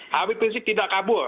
hpb tidak kabur